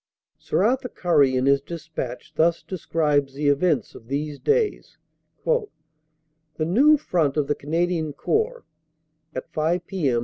Sir Arthur Currie in his despatch thus describes the events of these days: "The new Front of the Canadian Corps (at 5 p.m.